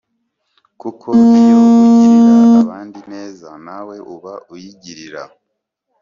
kuko iyo ugirira abandi ineza, nawe uba uyigirira.